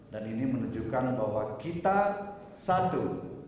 dan ini menunjukkan bahwa kita satu